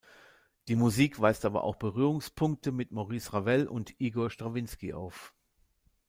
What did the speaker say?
Die Musik weist aber auch Berührungspunkte mit Maurice Ravel und Igor Strawinski auf.